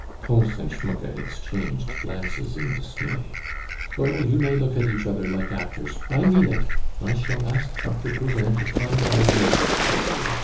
Pons and Schmucke exchanged glances in dismay. "Oh! you may look at each other like actors. I mean it. I shall ask Dr. Poulain to find a nurse for you.